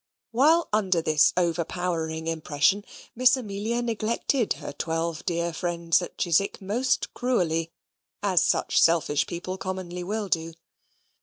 While under this overpowering impression, Miss Amelia neglected her twelve dear friends at Chiswick most cruelly, as such selfish people commonly will do.